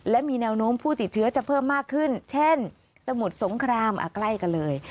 และมีแนวโน้มผู้ติดเชื้อจะเพิ่มมากขึ้นเช่นสมุทรสงครามใกล้กันเลย